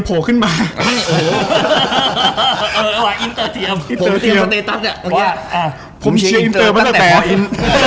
ผมเชียร์อินเตอร์มาตั้งแต่วันป่อต